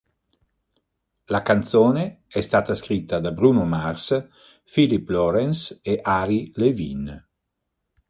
La canzone è stata scritta da Bruno Mars, Philip Lawrence e Ari Levine.